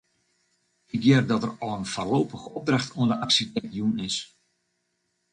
Ik hear dat der al in foarlopige opdracht oan de arsjitekt jûn is.